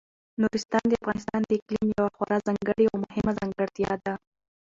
نورستان د افغانستان د اقلیم یوه خورا ځانګړې او مهمه ځانګړتیا ده.